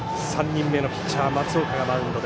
３人目のピッチャー松岡がマウンド。